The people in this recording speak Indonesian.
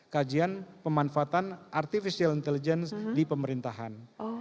kajian pemanfaatan artificial intelligence di pemerintahan